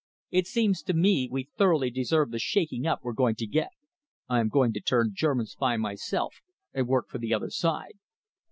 It seems to me we thoroughly deserve the shaking up we're going to get. I am going to turn German spy myself and work for the other side."